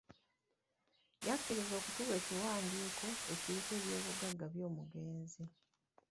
Yakkiriza okutuwa ekiwandiiko ekiriko eby'obugagga by'omugenzi.